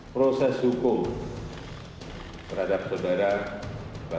proses hukum terhadap saudara basuki cahaya purnama akan dilakukan secara tegas cepat dan transparan